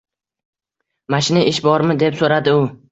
mashina, "Ish bormi?" - deb so'radi u